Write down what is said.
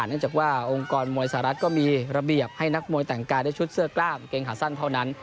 เนื่องจากว่าองค์กรมวยสหรัฐก็มีระเบียบให้นักมวยแต่งกายด้วยชุดเสื้อกล้ามกางเกงขาสั้นเท่านั้น